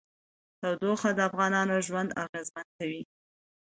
تودوخه د افغانانو ژوند اغېزمن کوي.